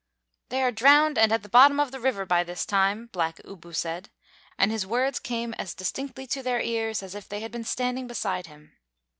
"They are drowned and at the bottom of the river, by this time," Black Ooboo said; and his words came as distinctly to their ears as if they had been standing beside him.